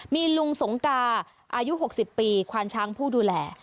มีลุงสงกาอายุ๖๐ปีควานช้างผู้ดูแล